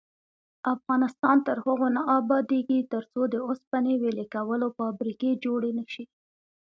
افغانستان تر هغو نه ابادیږي، ترڅو د اوسپنې ویلې کولو فابریکې جوړې نشي.